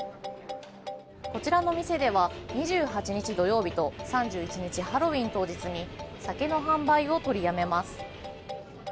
こちらの店では２８日土曜日と３１日ハロウィーン当日に酒の販売を取りやめます。